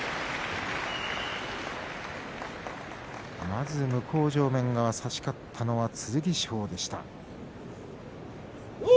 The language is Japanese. まず向正面側、差し勝ったのは剣翔でした。